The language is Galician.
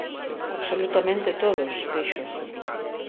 Absolutamente todos —dixo—.